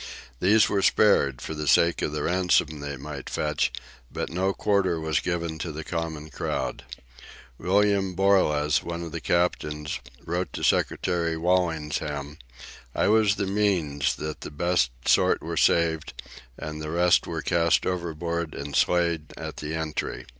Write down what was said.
These were spared, for the sake of the ransom they might fetch, but no quarter was given to the common crowd. William Borlas, one of the captors, wrote to Secretary Walsingham: "I was the means that the best sort were saved; and the rest were cast overboard and slain at the entry."